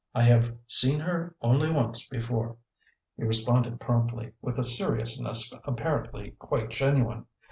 "I have seen her only once before," he responded promptly, with a seriousness apparently quite genuine.